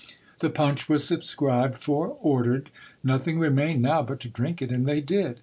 The punch was subscribed for, ordered ; nothing remained now but to drink it, and they did.